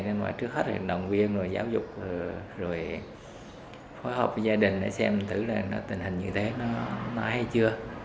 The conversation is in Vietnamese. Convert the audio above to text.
nên phải trước hết là đồng viên giáo dục rồi phối hợp với gia đình để xem tử là tình hình như thế nó hay chưa